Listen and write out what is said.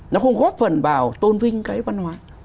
nó không góp phần vào tôn vinh cái văn hóa